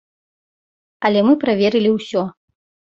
Але мы праверылі ўсё.